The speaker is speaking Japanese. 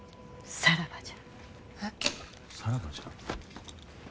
「さらばじゃ」？